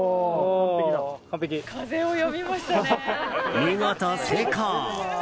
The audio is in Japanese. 見事成功！